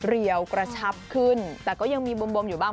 เรียวกระชับขึ้นแต่ก็ยังมีบวมอยู่บ้าง